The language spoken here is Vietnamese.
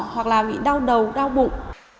hoặc là bị đau đầu đau bụng